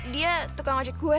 dia tukang ojek gue